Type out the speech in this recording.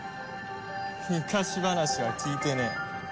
昔話は聞いてねえ。